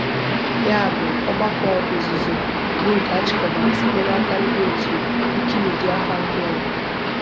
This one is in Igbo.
Ya bụ ọgbakọ ọzụzụ bụ nke a chịkọbara site n'aka ndị otu 'Wikimedia Fan Club'